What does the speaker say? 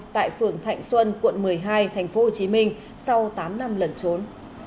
tại phường thạnh xuân quận một mươi hai tp hcm sau tám năm lần trốn